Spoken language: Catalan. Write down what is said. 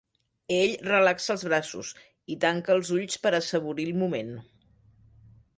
Ell relaxa els braços i tanca els ulls per assaborir el moment.